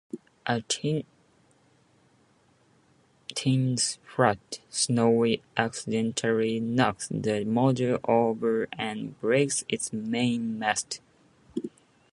At Tintin's flat, Snowy accidentally knocks the model over and breaks its mainmast.